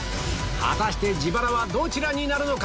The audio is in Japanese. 果たして自腹はどちらになるのか？